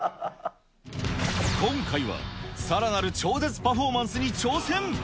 今回は、さらなる超絶パフォーマンスに挑戦！